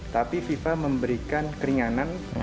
tapi fifa memberikan keringanan